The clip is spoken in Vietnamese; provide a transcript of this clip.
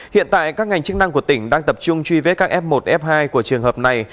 hiện tại các ngành chức năng của tỉnh đang tập trung truy vết các f một f hai của trường hợp này